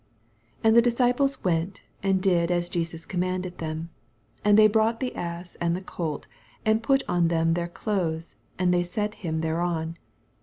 6 And the disciples went, and did as Jesus commanded them. 7 And brought the ass, and the co.t, and put on them their clothes, and they set him thereon.